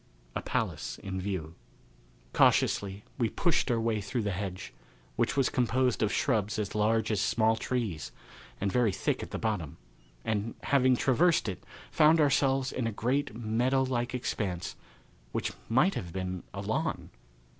A Palace in View. Cautiously we pushed our way through the hedge, which was composed of shrubs as large as small trees, and very thick at the bottom, and, having traversed it, found ourselves in a great meadow like expanse which might have been a lawn.